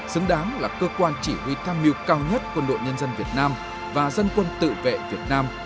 xứng đáng là cơ quan chỉ huy tham mưu cao nhất quân đội nhân dân việt nam và dân quân tự vệ việt nam